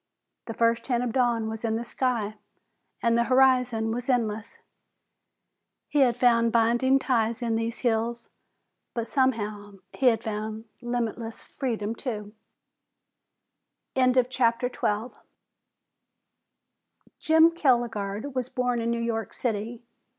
The first hint of dawn was in the sky and the horizon was endless. He had found binding ties in these hills, but somehow he had found limitless freedom, too. JIM KJELGAARD was born in New York City.